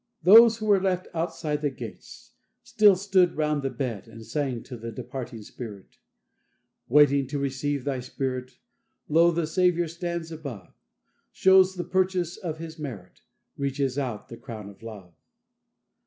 Those who were left outside the gates, still stood round the bed and sang to the departing spirit: "Waiting to receive thy spirit, Lo, the Saviour stands above; Shows the purchase of His merit, Reaches out the crown of love."